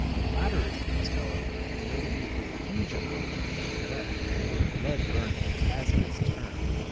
The latter is used, however, notably for the fusion welding of lead, or "lead burning," as it is termed.